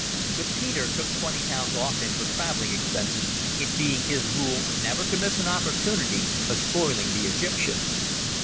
But Peter took twenty pounds off him for travelling expenses, it being his rule never to miss an opportunity of spoiling the Egyptians.